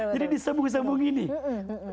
jadi disambung sambungin ini